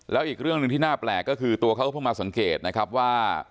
แล้วอีกเรื่องหนึ่งที่น่าแปลกก็คือตัวเขาก็เพิ่งมาสังเกตนะครับว่า